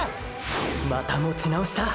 また持ち直した！！